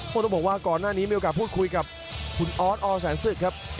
ต้องบอกว่าก่อนหน้านี้มีโอกาสพูดคุยกับคุณออสอแสนศึกครับ